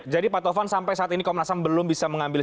jadi pak tovan sampai saat ini komnas ham belum bisa mengambil